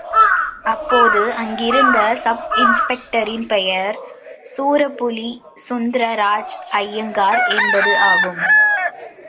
அப்போது அங்கிருந்த சப் இன்ஸ்பெக்டரின் பெயர் சூரப்புலி சுந்தரராஜ் ஐயங்கார் என்பது ஆகும்.